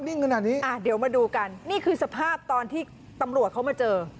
ขนาดนี้อ่าเดี๋ยวมาดูกันนี่คือสภาพตอนที่ตำรวจเขามาเจอ